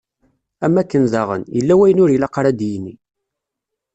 Am wakken daɣen, yella wayen ur ilaq ara ad yini.